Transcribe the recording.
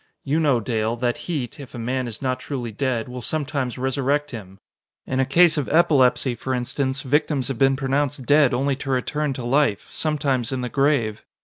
You know, Dale, that heat, if a man is not truly dead, will sometimes resurrect him. In a case of epilepsy, for instance, victims have been pronounced dead only to return to life sometimes in the grave.